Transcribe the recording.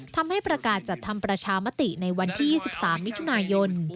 ทำให้ประกาศจัดทำประชามติในวันที่๒๓มิถุนายน